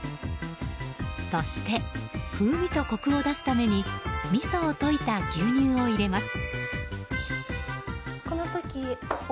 そして、風味とコクを出すためにみそを溶いた牛乳を入れます。